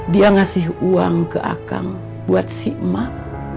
dia ngasih uang ke akang buat si emak